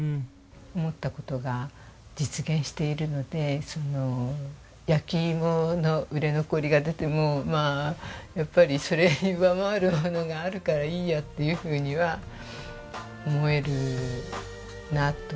思った事が実現しているので焼き芋の売れ残りが出てもまあやっぱりそれを上回るものがあるからいいやっていうふうには思えるなと。